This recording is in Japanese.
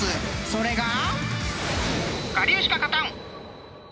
［それが］